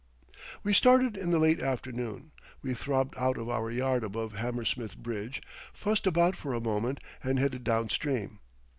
We started in the late afternoon. We throbbed out of our yard above Hammersmith Bridge, fussed about for a moment, and headed down stream.